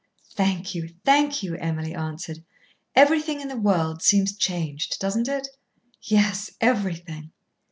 "Thank you, thank you!" Emily answered. "Everything in the world seems changed, doesn't it?" "Yes, everything."